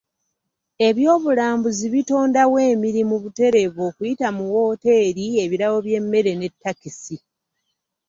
Eby'obulambuzi bitondawo emirimu butereevu okuyita mu woteeri, ebirabo by'emmere ne takisi.